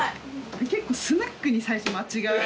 結構スナックに最初間違われ。